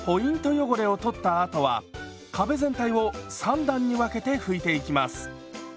汚れを取ったあとは壁全体を３段に分けて拭いていきます。